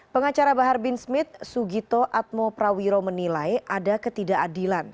pengacara bahar bin smith sugito atmo prawiro menilai ada ketidakadilan